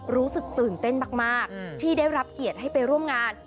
รู้สึกตื่นเต้นมากที่ได้รับเกียรติให้ไปร่วมงาน